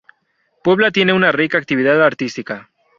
Puebla tiene una rica actividad artística.